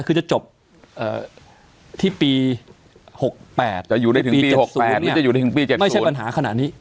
คือจะจบที่ปี๖๘ปี๗๐ไม่ใช่ปัญหาขนาดนี้